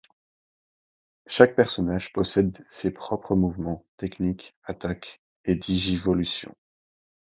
Chaque personnage possède ses propres mouvements, techniques, attaques et digivolutions.